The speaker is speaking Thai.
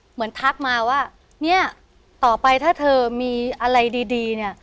ทักมาว่าเนี่ยต่อไปถ้าเธอมีอะไรดีเนี่ย